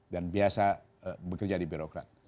dan biasa bekerja di birokrat